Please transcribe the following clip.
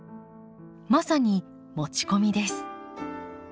まさに持ち込みです。